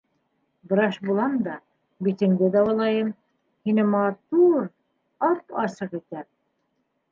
Врач булам да, битеңде дауалайым, һине мату-у-ур... ап-асыҡ итәм.